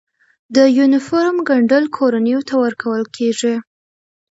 د یونیفورم ګنډل کورنیو ته ورکول کیږي؟